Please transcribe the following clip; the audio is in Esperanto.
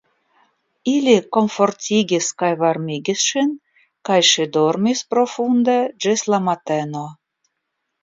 Ili komfortigis kaj varmigis ŝin kaj ŝi dormis profunde ĝis la mateno.